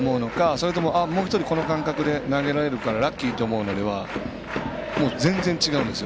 それとも、もう１人この感覚で投げられるからラッキーって思うのではもう全然違うんですよ。